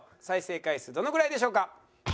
再生回数どのぐらいでしょうか？